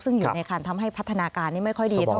ซึ่งอยู่ในคันทำให้พัฒนาการนี้ไม่ค่อยดีเท่า